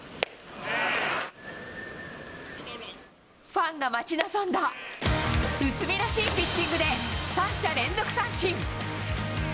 ファンが待ち望んだ、内海らしいピッチングで、３者連続三振。